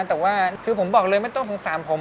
แต่ว่าคือผมบอกเลยไม่ต้องสงสารผม